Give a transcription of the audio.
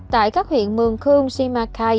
tại các huyện mường khương simakai